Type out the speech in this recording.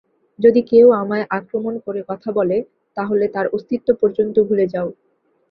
যদি কেউ আমায় আক্রমণ করে কথা বলে, তাহলে তার অস্তিত্ব পর্যন্ত ভুলে যাও।